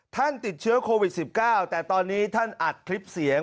ท่านติดเชื้อโควิด๑๙แต่ตอนนี้ท่านอัดคลิปเสียง